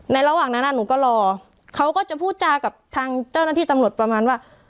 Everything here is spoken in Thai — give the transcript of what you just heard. ระหว่างนั้นหนูก็รอเขาก็จะพูดจากับทางเจ้าหน้าที่ตำรวจประมาณว่า